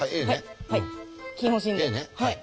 はい。